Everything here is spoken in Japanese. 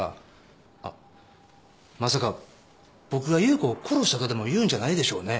あっまさか僕が夕子を殺したとでもいうんじゃないでしょうね。